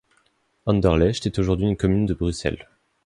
Anderlecht est aujourd'hui une commune de Bruxelles.